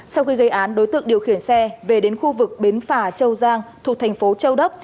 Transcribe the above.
sau khi gây án đối tượng điều khiển xe về đến khu vực bến phà châu giang thuộc thành phố châu đốc